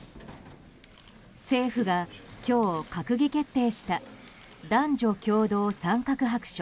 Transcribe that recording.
政府が今日、閣議決定した男女共同参画白書。